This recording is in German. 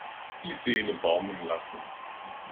Die Seele baumeln lassen.